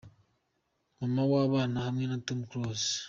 Mama w’abana hamwe na Tom Close.